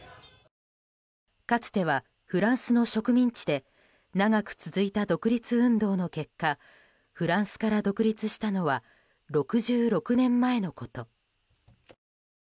かつてはフランスの植民地で長く続いた独立運動の結果フランスから独立したのは６６年前のこと。